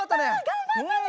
がんばったね。